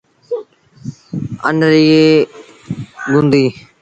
ان ريٚ گُنديٚ